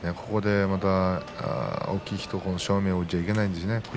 ここでまた大きい人を正面に置いていけないんですね